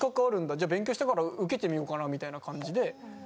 じゃあ勉強したから受けてみようかなみたいな感じで。